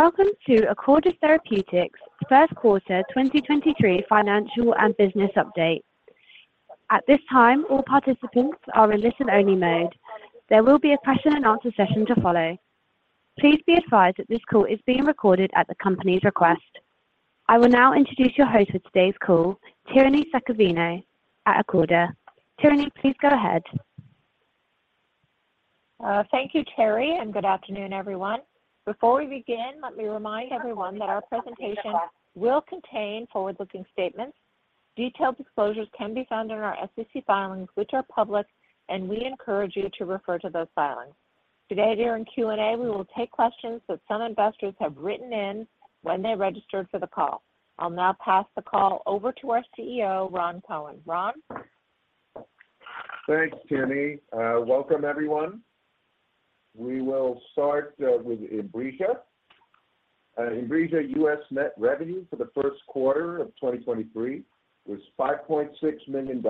Welcome to Acorda Therapeutics' First Quarter 2023 Financial and Business Update. At this time, all participants are in listen-only mode. There will be a question and answer session to follow. Please be advised that this call is being recorded at the company's request. I will now introduce your host for today's call, Tierney Saccavino at Acorda. Tierney, please go ahead. Thank you, Terry, and good afternoon, everyone. Before we begin, let me remind everyone that our presentation will contain forward-looking statements. Detailed disclosures can be found in our SEC filings, which are public, and we encourage you to refer to those filings. Today, during Q&A, we will take questions that some investors have written in when they registered for the call. I'll now pass the call over to our CEO, Ron Cohen. Ron? Thanks, Tierney. Welcome, everyone. We will start with INBRIJA. INBRIJA U.S. net revenue for the first quarter of 2023 was $5.6 million.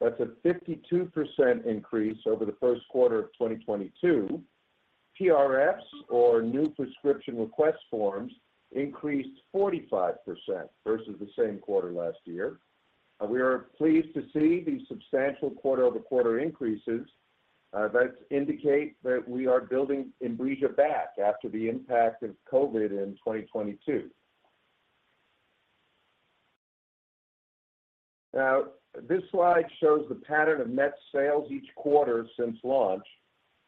That's a 52% increase over the first quarter of 2022. PRFs or new prescription request forms increased 45% versus the same quarter last year. We are pleased to see the substantial quarter-over-quarter increases that indicate that we are building INBRIJA back after the impact of COVID in 2022. This slide shows the pattern of net sales each quarter since launch.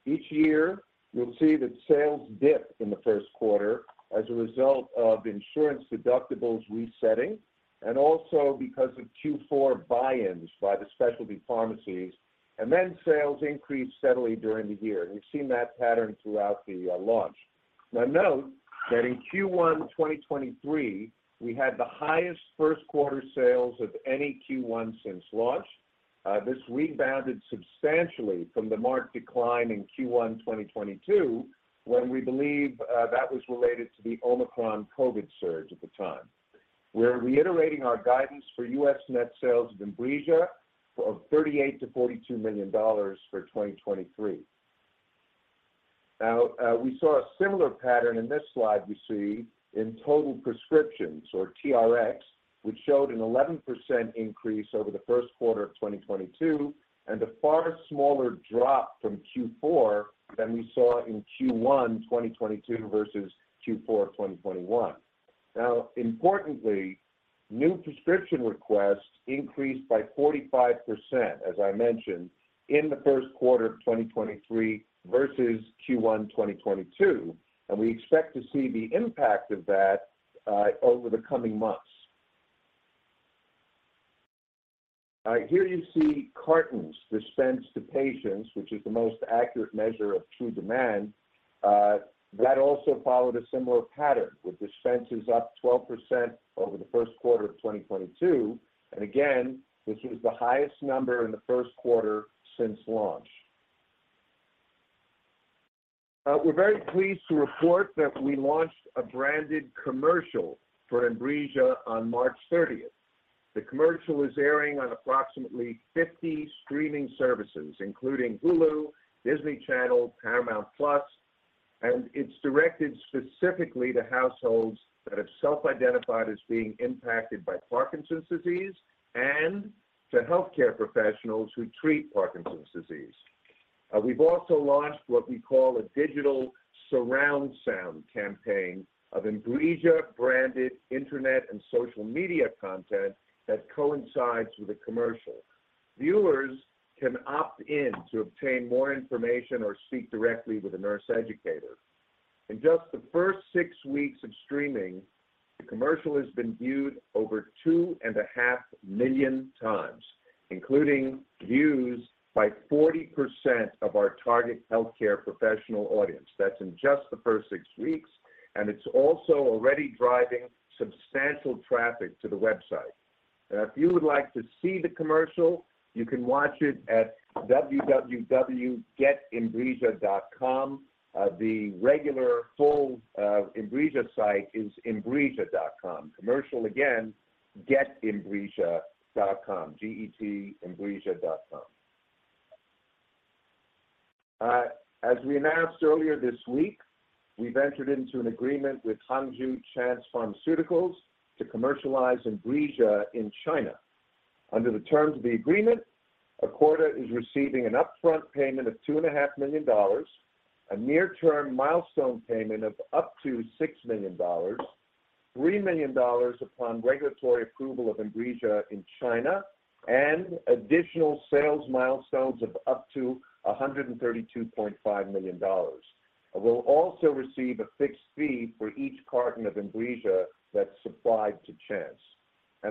Each year, you'll see that sales dip in the first quarter as a result of insurance deductibles resetting and also because of Q4 buy-ins by the specialty pharmacies. Sales increase steadily during the year. We've seen that pattern throughout the launch. Note that in Q1 2023, we had the highest first quarter sales of any Q1 since launch. This rebounded substantially from the marked decline in Q1 2022, when we believe that was related to the Omicron COVID surge at the time. We're reiterating our guidance for U.S. net sales of INBRIJA of $38 million-$42 million for 2023. We saw a similar pattern in this slide we see in total prescriptions or TRXs, which showed an 11% increase over the first quarter of 2022 and a far smaller drop from Q4 than we saw in Q1 2022 versus Q4 2021. Importantly, new prescription requests increased by 45%, as I mentioned, in the first quarter of 2023 versus Q1 2022, and we expect to see the impact of that over the coming months. All right. Here you see cartons dispensed to patients, which is the most accurate measure of true demand. That also followed a similar pattern, with dispenses up 12% over the first quarter of 2022. This is the highest number in the first quarter since launch. We're very pleased to report that we launched a branded commercial for INBRIJA on March 30th. The commercial is airing on approximately 50 streaming services, including Hulu, Disney Channel, Paramount+, and it's directed specifically to households that have self-identified as being impacted by Parkinson's disease and to healthcare professionals who treat Parkinson's disease. We've also launched what we call a digital surround sound campaign of INBRIJA-branded internet and social media content that coincides with the commercial. Viewers can opt in to obtain more information or speak directly with a nurse educator. In just the first six weeks of streaming, the commercial has been viewed over 2.5 million times, including views by 40% of our target healthcare professional audience. That's in just the first six weeks, and it's also already driving substantial traffic to the website. If you would like to see the commercial, you can watch it at www.getINBRIJA.com. The regular full INBRIJA site is INBRIJA.com. Commercial, again, getINBRIJA.com. getINBRIJA.com. As we announced earlier this week, we've entered into an agreement with Hangzhou Chance Pharmaceuticals to commercialize INBRIJA in China. Under the terms of the agreement, Acorda is receiving an upfront payment of $2.5 million, a near-term milestone payment of up to $6 million, $3 million upon regulatory approval of INBRIJA in China, and additional sales milestones of up to $132.5 million. We'll also receive a fixed fee for each carton of INBRIJA that's supplied to Chance.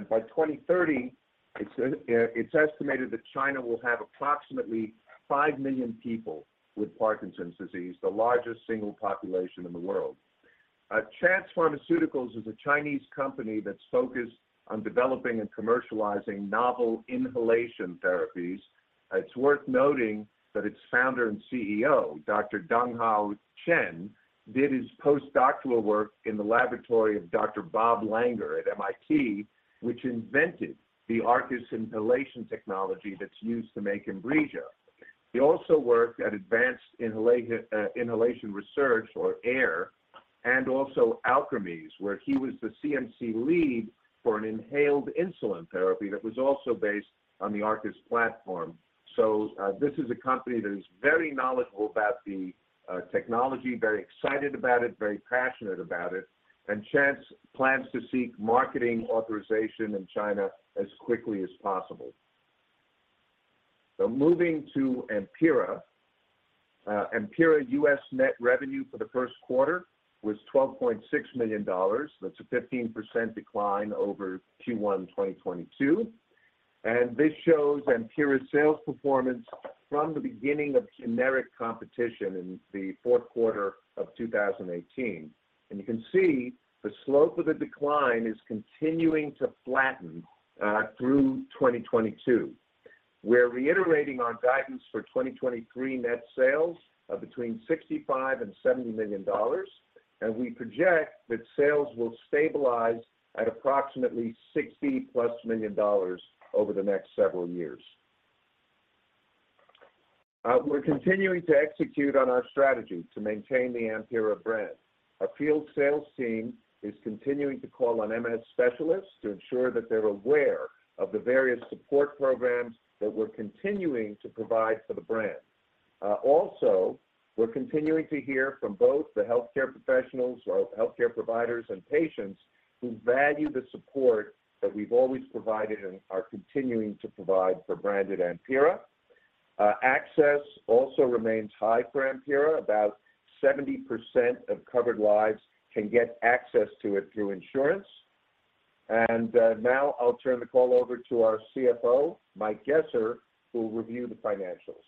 By 2030, it's estimated that China will have approximately 5 million people with Parkinson's disease, the largest single population in the world. Chance Pharmaceuticals is a Chinese company that's focused on developing and commercializing novel inhalation therapies. It's worth noting that its Founder and CEO, Dr. Donghao Chen, did his postdoctoral work in the laboratory of Dr. Bob Langer at MIT, which invented the ARCUS inhalation technology that's used to make INBRIJA. He also worked at Advanced Inhalation Research, or AIR, and also Alkermes, where he was the CMC lead for an inhaled insulin therapy that was also based on the ARCUS platform. This is a company that is very knowledgeable about the technology, very excited about it, very passionate about it, and Chance plans to seek marketing authorization in China as quickly as possible. Moving to AMPYRA. AMPYRA U.S. net revenue for the first quarter was $12.6 million. That's a 15% decline over Q1 2022. This shows AMPYRA's sales performance from the beginning of generic competition in the fourth quarter of 2018. You can see the slope of the decline is continuing to flatten through 2022. We're reiterating our guidance for 2023 net sales of between $65 million and $70 million. We project that sales will stabilize at approximately $60+ million over the next several years. We're continuing to execute on our strategy to maintain the AMPYRA brand. Our field sales team is continuing to call on MS specialists to ensure that they're aware of the various support programs that we're continuing to provide for the brand. Also, we're continuing to hear from both the healthcare professionals or healthcare providers and patients who value the support that we've always provided and are continuing to provide for branded AMPYRA. Access also remains high for AMPYRA. About 70% of covered lives can get access to it through insurance. Now I'll turn the call over to our CFO, Mike Gesser, who will review the financials.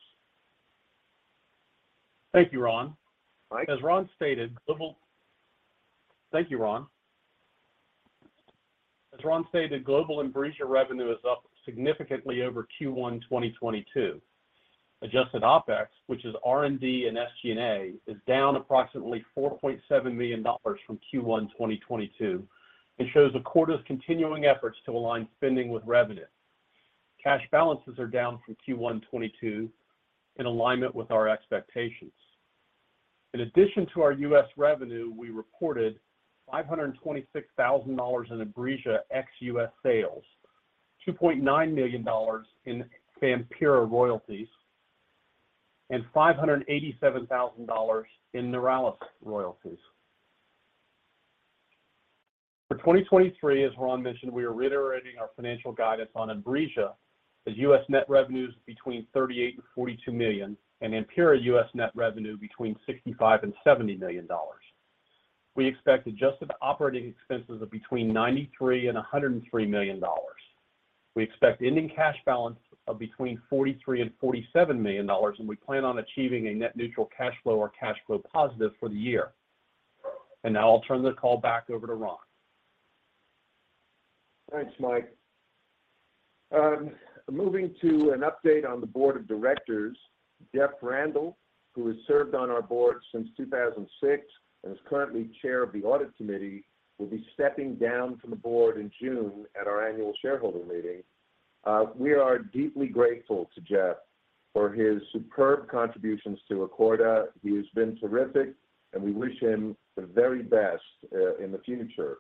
Thank you, Ron. Mike. Thank you, Ron. As Ron stated, global INBRIJA revenue is up significantly over Q1 2022. Adjusted OpEx, which is R&D and SG&A, is down approximately $4.7 million from Q1 2022 and shows the quarter's continuing efforts to align spending with revenue. Cash balances are down from Q1 2022 in alignment with our expectations. In addition to our U.S. revenue, we reported $526,000 in INBRIJA ex-U.S. sales, $2.9 million in AMPYRA royalties, and $587,000 in Neurelis royalties. For 2023, as Ron mentioned, we are reiterating our financial guidance on INBRIJA as U.S. net revenues between $38 million and $42 million and AMPYRA U.S. net revenue between $65 million and $70 million. We expect adjusted operating expenses of between $93 million and $103 million. We expect ending cash balance of between $43 million and $47 million, and we plan on achieving a net neutral cash flow or cash flow positive for the year. Now I'll turn the call back over to Ron. Thanks, Mike. Moving to an update on the Board of Directors, Jeff Randall, who has served on our board since 2006 and is currently Chair of the Audit Committee, will be stepping down from the board in June at our Annual Shareholder Meeting. We are deeply grateful to Jeff for his superb contributions to Acorda. He has been terrific, and we wish him the very best in the future.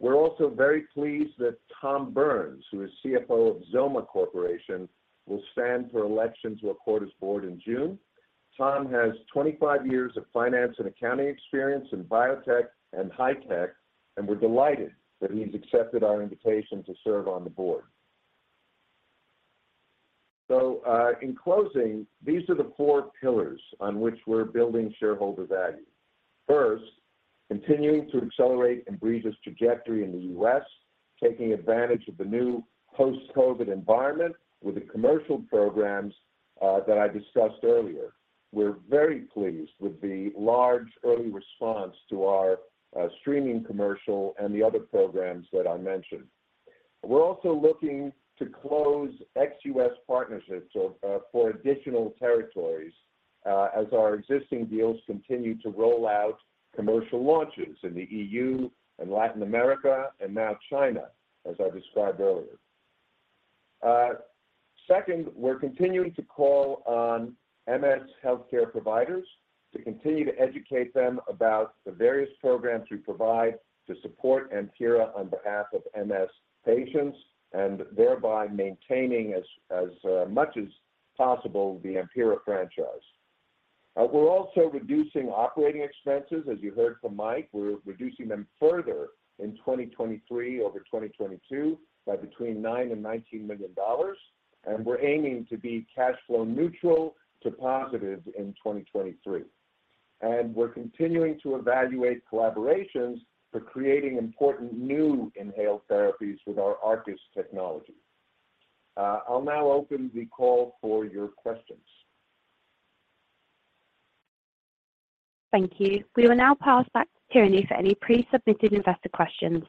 We're also very pleased that Tom Burns, who is CFO of XOMA Corporation, will stand for election to Acorda's Board in June. Tom has 25 years of finance and accounting experience in biotech and high tech, and we're delighted that he's accepted our invitation to serve on the Board. In closing, these are the four pillars on which we're building shareholder value. First, continuing to accelerate and INBRIJA's trajectory in the U.S., taking advantage of the new post-COVID environment with the commercial programs that I discussed earlier. We're very pleased with the large early response to our streaming commercial and the other programs that I mentioned. We're also looking to close ex-U.S. partnerships so, for additional territories as our existing deals continue to roll out commercial launches in the EU and Latin America and now China, as I described earlier. Second, we're continuing to call on MS healthcare providers to continue to educate them about the various programs we provide to support AMPYRA on behalf of MS patients, and thereby maintaining as much as possible the AMPYRA franchise. We're also reducing operating expenses. As you heard from Mike, we're reducing them further in 2023 over 2022 by between $9 million and $19 million, we're aiming to be cash flow neutral to positive in 2023. We're continuing to evaluate collaborations for creating important new inhaled therapies with our ARCUS technology. I'll now open the call for your questions. Thank you. We will now pass back to Tierney for any pre-submitted investor questions.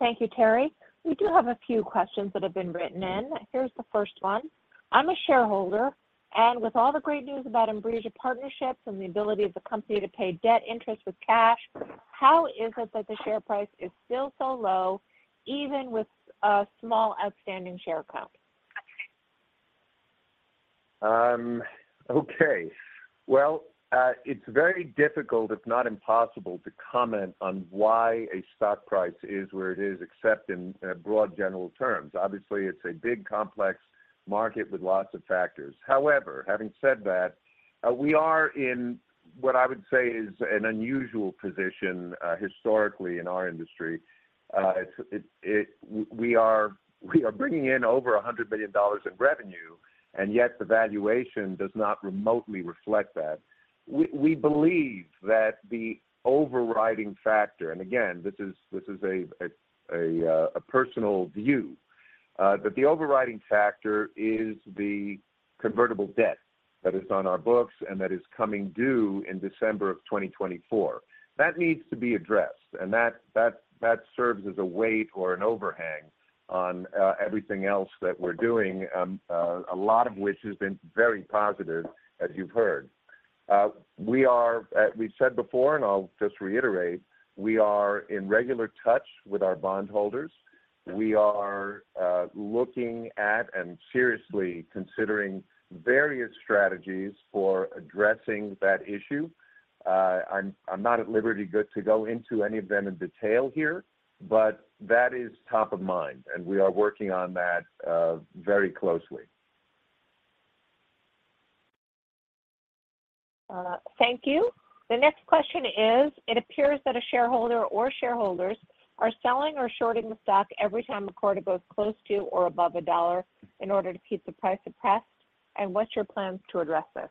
Thank you, Terry. We do have a few questions that have been written in. Here's the first one. I'm a shareholder, and with all the great news about INBRIJA partnerships and the ability of the company to pay debt interest with cash, how is it that the share price is still so low even with a small outstanding share count? Okay. Well, it's very difficult, if not impossible, to comment on why a stock price is where it is except in broad general terms. Obviously, it's a big, complex market with lots of factors. Having said that, we are in what I would say is an unusual position historically in our industry. We are bringing in over $100 billion in revenue, yet the valuation does not remotely reflect that. We believe that the overriding factor, again, this is a personal view, the overriding factor is the convertible debt that is on our books and that is coming due in December of 2024. That needs to be addressed, and that serves as a weight or an overhang on everything else that we're doing, a lot of which has been very positive, as you've heard. We are, we've said before and I'll just reiterate, we are in regular touch with our bond holders. We are looking at and seriously considering various strategies for addressing that issue. I'm not at liberty good to go into any of them in detail here, but that is top of mind, and we are working on that very closely. Thank you. The next question is, it appears that a shareholder or shareholders are selling or shorting the stock every time the quarter goes close to or above $1 in order to keep the price depressed. What's your plans to address this?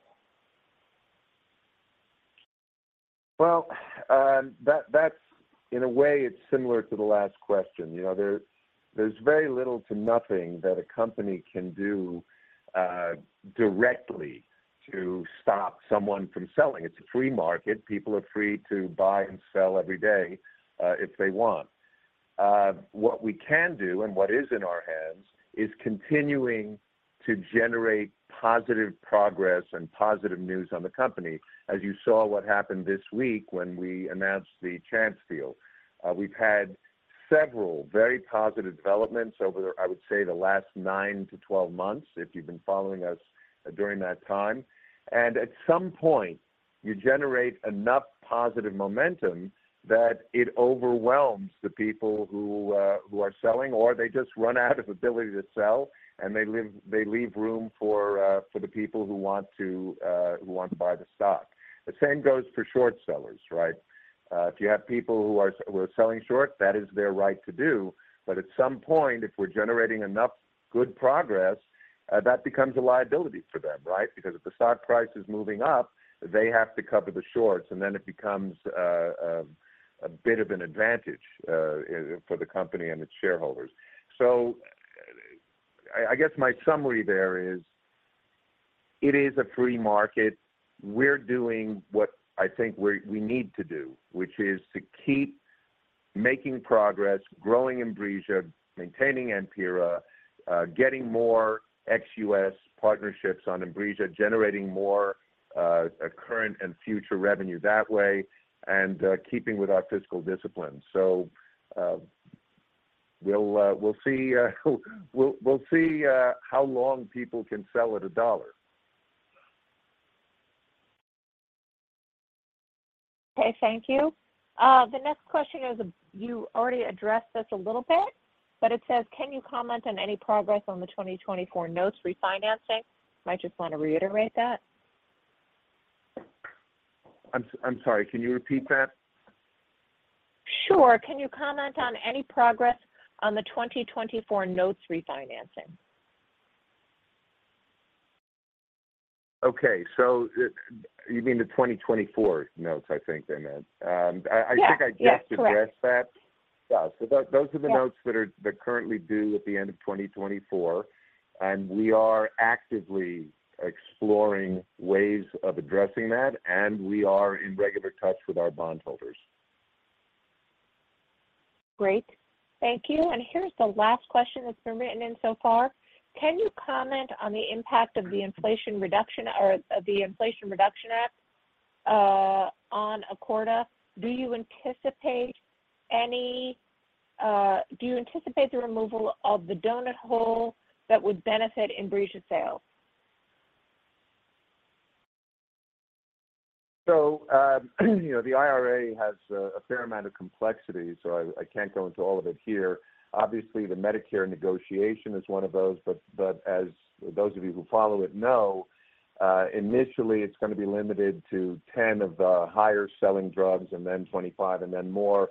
Well, that's in a way it's similar to the last question. You know, there's very little to nothing that a company can do directly to stop someone from selling. It's a free market. People are free to buy and sell every day if they want. What we can do and what is in our hands is continuing to generate positive progress and positive news on the company, as you saw what happened this week when we announced the Chance deal. We've had several very positive developments over, I would say, the last nine to 12 months if you've been following us during that time. At some point, you generate enough positive momentum that it overwhelms the people who are selling, or they just run out of ability to sell, and they leave room for the people who want to, who want to buy the stock. The same goes for short sellers, right? If you have people who are selling short, that is their right to do. At some point, if we're generating enough good progress, that becomes a liability for them, right? Because if the stock price is moving up, they have to cover the shorts, and then it becomes a bit of an advantage for the company and its shareholders. I guess my summary there is it is a free market. We're doing what I think we need to do, which is to keep making progress, growing INBRIJA, maintaining AMPYRA, getting more ex-U.S. partnerships on INBRIJA, generating more current and future revenue that way, and keeping with our fiscal discipline. We'll see, we'll see how long people can sell at $1. Okay, thank you. The next question is, you already addressed this a little bit, but it says can you comment on any progress on the 2024 notes refinancing? Might just wanna reiterate that. I'm sorry. Can you repeat that? Sure. Can you comment on any progress on the 2024 notes refinancing? Okay. You mean the 2024 notes, I think they meant. Yeah. Yeah. Correct. I think I just addressed that. Yeah. Those are the notes. Yeah... that are currently due at the end of 2024. We are actively exploring ways of addressing that. We are in regular touch with our bond holders. Great. Thank you. Here's the last question that's been written in so far. Can you comment on the impact of the inflation reduction or of the Inflation Reduction Act on Acorda? Do you anticipate the removal of the donut hole that would benefit INBRIJA sales? You know, the IRA has a fair amount of complexity, so I can't go into all of it here. Obviously, the Medicare negotiation is one of those, but as those of you who follow it know, initially it's gonna be limited to 10 of the higher selling drugs and then 25 and then more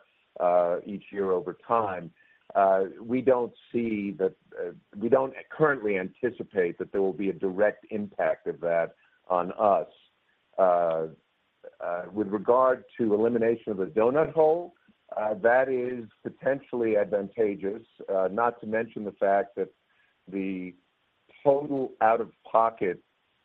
each year over time. We don't see that, we don't currently anticipate that there will be a direct impact of that on us. With regard to elimination of the donut hole, that is potentially advantageous, not to mention the fact that the total out-of-pocket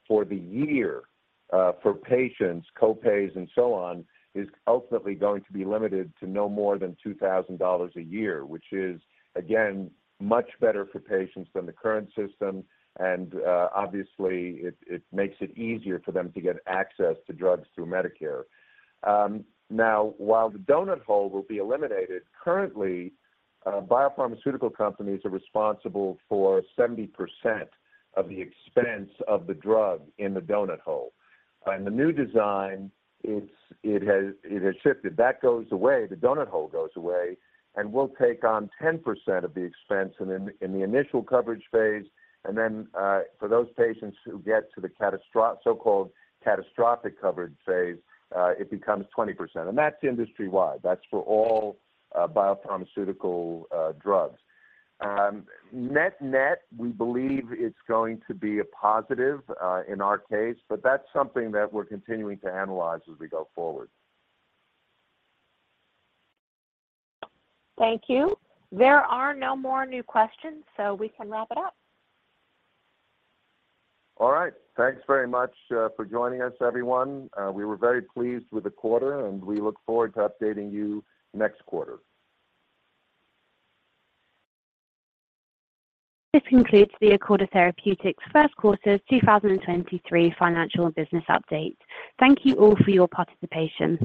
for the year, for patients, co-pays and so on, is ultimately going to be limited to no more than $2,000 a year, which is again much better for patients than the current system and obviously it makes it easier for them to get access to drugs through Medicare. Now while the donut hole will be eliminated, currently, biopharmaceutical companies are responsible for 70% of the expense of the drug in the donut hole. In the new design, it has shifted. That goes away. The donut hole goes away. We'll take on 10% of the expense in the initial coverage phase. Then, for those patients who get to the so-called catastrophic coverage phase, it becomes 20%. That's industry-wide. That's for all biopharmaceutical drugs. Net-net, we believe it's going to be a positive in our case. That's something that we're continuing to analyze as we go forward. Thank you. There are no more new questions, we can wrap it up. All right. Thanks very much for joining us, everyone. We were very pleased with the quarter, and we look forward to updating you next quarter. This concludes the Acorda Therapeutics first quarter 2023 financial and business update. Thank you all for your participation.